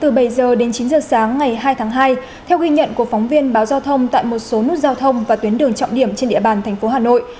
từ bảy h đến chín h sáng ngày hai tháng hai theo ghi nhận của phóng viên báo giao thông tại một số nút giao thông và tuyến đường trọng điểm trên địa bàn tp hà nội